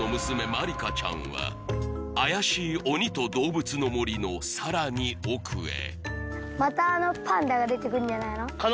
まりかちゃんは怪しい鬼とどうぶつの森のさらに奥へまたあのパンダが出てくんじゃないの？